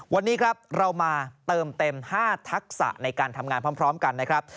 วันนี้ครับเรามาเติมเต็ม๕ทักษะในการทำงานพร้อมกันนะครับ